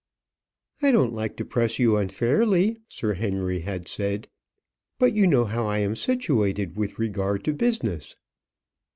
"I don't like to press you unfairly," Sir Henry had said, "but you know how I am situated with regard to business."